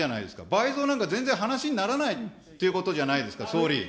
倍増なんか全然話にならないということじゃないですか、総理。